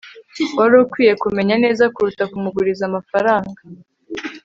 wari ukwiye kumenya neza kuruta kumuguriza amafaranga